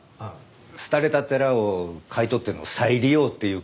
廃れた寺を買い取っての再利用っていうか。